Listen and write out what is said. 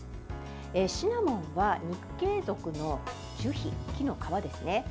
シナモンは肉桂属の樹皮木の皮ですね。